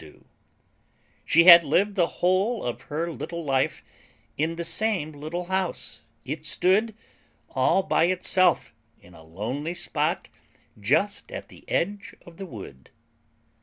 She had lived the whole of her little life, In the same little house; it stood All by itself, in a lonely spot, Just at the edge of a wood.